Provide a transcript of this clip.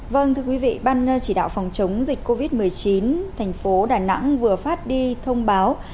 vâng thưa quý vị ban chỉ đạo phòng chống dịch covid một mươi chín thành phố đà nẵng vừa phát đi thông báo